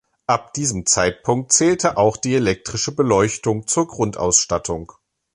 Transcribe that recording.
Ab diesem Zeitpunkt zählte auch die elektrische Beleuchtung zur Grundausstattung.